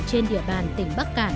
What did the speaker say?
trên địa bàn tỉnh bắc cản